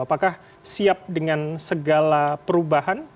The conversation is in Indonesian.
apakah siap dengan segala perubahan